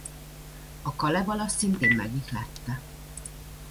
A Kalevala szintén megihlette.